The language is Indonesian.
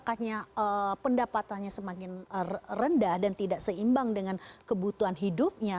nah kalau masyarakatnya pendapatannya semakin rendah dan tidak seimbang dengan kebutuhan hidupnya